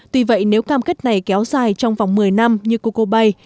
tuy vậy nếu cam kết này kéo dài trong vòng một mươi năm như coco bay